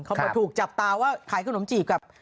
เขามาถูกจับตาว่าขายขนมจีบกับ